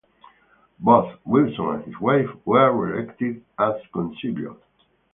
Both Wilson and his wife were reelected as councillors.